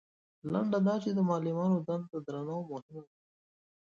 لنډه دا چې د معلمانو دنده درنه او مهمه ده.